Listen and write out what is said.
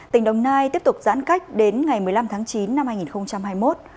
tỉnh đồng nai tiếp tục giãn cách đến ngày một mươi năm tháng chín năm hai nghìn hai mươi một